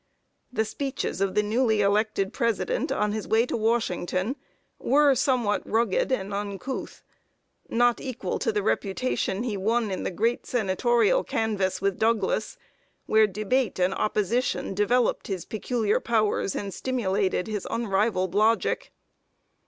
The speeches of the newly elected President on his way to Washington, were somewhat rugged and uncouth; not equal to the reputation he won in the great senatorial canvass with Douglas, where debate and opposition developed his peculiar powers and stimulated his unrivaled logic.